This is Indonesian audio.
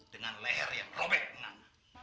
dengan leher yang robek tangan